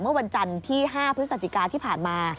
เมื่อวันจันทร์ที่๕พฤศจิกาที่ผ่านมา